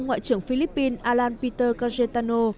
ngoại trưởng philippines alan peter kajetano